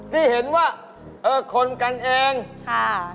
ที่เห็นว่าเออคนกันเองค่ะ